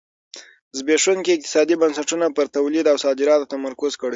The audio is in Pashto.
زبېښونکو اقتصادي بنسټونو پر تولید او صادراتو تمرکز کړی و.